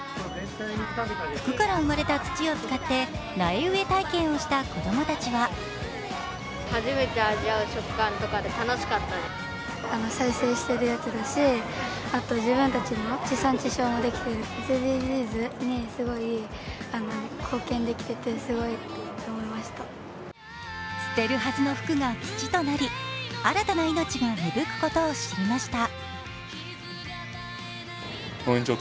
服から生まれた土を使って苗植え体験をした子供たちは捨てるはずの服が土となり新たな命が芽吹くことを知りました。